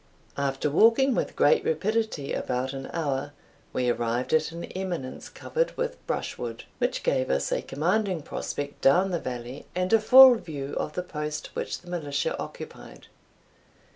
After walking with great rapidity about an hour, we arrived at an eminence covered with brushwood, which gave us a commanding prospect down the valley, and a full view of the post which the militia occupied.